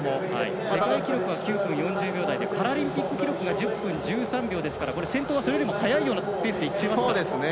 世界記録は９分４０秒台でパラリンピック記録が１０分１３秒ですから先頭はそれよりも速いようなペースでいってますよね。